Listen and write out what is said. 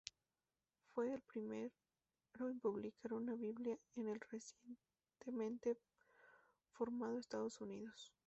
Fue el primero en publicar una Biblia en el recientemente formado Estados Unidos.